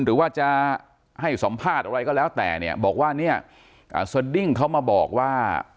หรือว่าจะให้สัมภาษณ์อะไรก็แล้วแต่เนี่ยบอกว่าเนี่ยสดิ้งเขามาบอกว่า